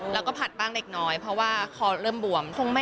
แล้วก็ผัดบ้างเล็กน้อยเพราะว่าคอเริ่มบวม